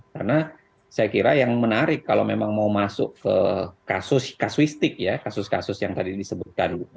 karena saya kira yang menarik kalau memang mau masuk ke kasus kasuistik ya kasus kasus yang tadi disebutkan